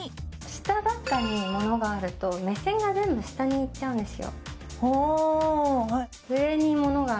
下ばかり物があると目線が全部下にいっちゃうんです。